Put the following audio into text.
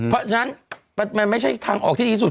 เพราะฉะนั้นมันไม่ใช่ทางออกที่ดีที่สุด